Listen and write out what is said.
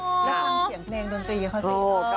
รีบทำเสียงเพลงดนตรีค่ะศีลเมอะ